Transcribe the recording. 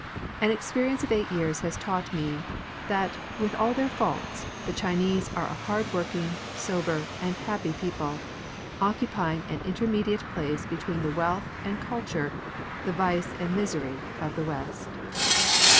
An experience of eight years has taught me that, with all their faults, the Chinese are a hardworking, sober, and happy people, occupying an intermediate place between the wealth and culture, the vice and misery of the West.